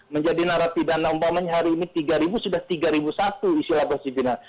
menjadi narapi dana umpamanya hari ini rp tiga sudah rp tiga satu isi lapas sipinang